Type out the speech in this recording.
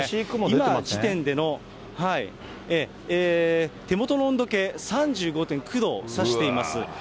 今、時点での手元の温度計、３５．９度をさしています。